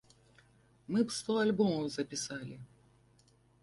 Мы б сто альбомаў запісалі.